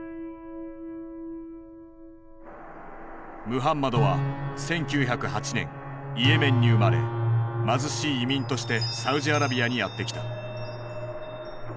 ムハンマドは１９０８年イエメンに生まれ貧しい移民としてサウジアラビアにやって来た。